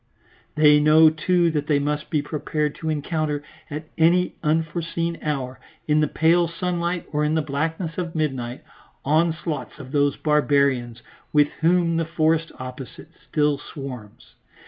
They know, too, that they must be prepared to encounter at any unforeseen hour, in the pale sunlight or in the blackness of midnight, onslaughts of those barbarians with whom the forest opposite still swarms.